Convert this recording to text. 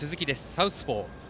サウスポーです。